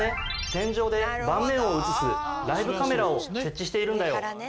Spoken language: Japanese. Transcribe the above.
天井で盤面を映すライブカメラを設置しているんだよ。